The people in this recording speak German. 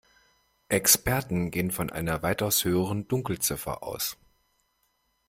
Experten gehen von einer weitaus höheren Dunkelziffer aus.